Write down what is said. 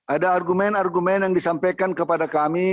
ada argumen argumen yang disampaikan kepada kami